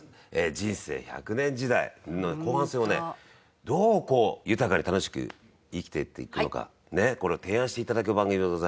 人生１００年時代の後半戦をねどう豊かに楽しく生きていっていくのかこれを提案して頂く番組でございますけれども。